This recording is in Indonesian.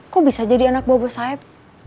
kok bisa jadi anak buah sayap